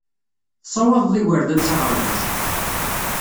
Tessawaḍed igerdan s aɣerbaz.